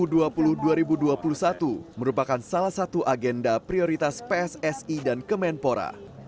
gelaran piala dunia u dua puluh dua ribu dua puluh dua merupakan salah satu agenda prioritas pssi dan kemenpora